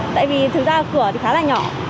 tại vì thực ra cửa thì khá là nhỏ